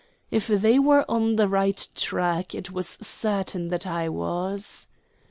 If they were on the right track it was certain that I was.